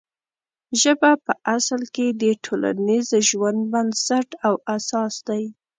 ژبه په اصل کې د ټولنیز ژوند بنسټ او اساس دی.